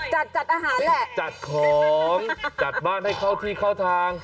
จัดจัดอาหารแหละจัดของจัดบ้านให้เข้าที่เข้าทาง